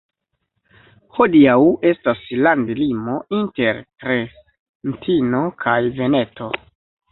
Hodiaŭ estas landlimo inter Trentino kaj Veneto.